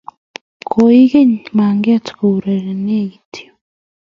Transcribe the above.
Koek maget keureren kityo